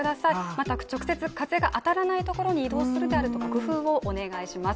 また直接風が当たらないところに移動するだとか工夫をお願いします